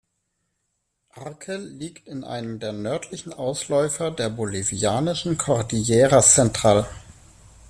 Arque liegt in einem der nördlichen Ausläufer der bolivianischen Cordillera Central.